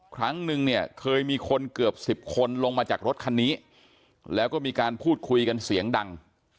ครั้งนึงเนี่ยเคยมีคนเกือบ๑๐คนลงมาจากรถคันนี้แล้วก็มีการพูดคุยกันเสียงดัง